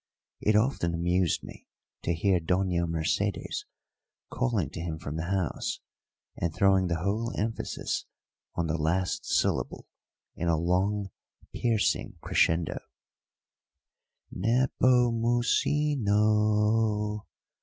It often amused me to hear Doña Mercedes calling to him from the house, and throwing the whole emphasis on the last syllable in a long, piercing crescendo: "Ne po mu ci no o."